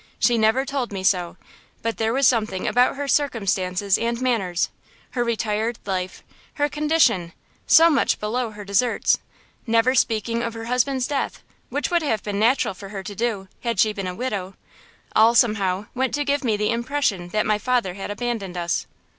She never told me so, but there was something about her circumstances and manners, her retired life, her condition, so much below her deserts, her never speaking of her husband's death, which would have been natural for her to do, had she been a widow–all, somehow, went to give me the impression that my father had abandoned us.